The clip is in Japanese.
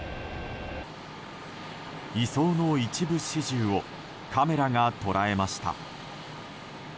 移送の一部始終をカメラが捉えました。